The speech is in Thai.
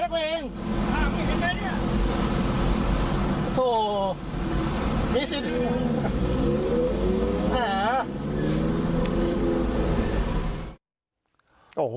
สงสารซุดตอบครับ